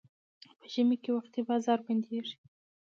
په ژمي کې وختي بازار بندېږي.